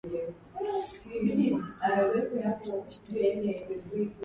lakini hapo wanasema kwamba asishtakiwe kule